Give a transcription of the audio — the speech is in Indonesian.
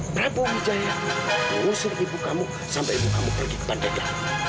ibu prabu wijaya mengusir ibu kamu sampai ibu kamu pergi ke bandara